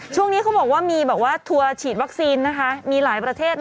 ช่วงนี้เขาบอกว่ามีแบบว่าทัวร์ฉีดวัคซีนนะคะมีหลายประเทศ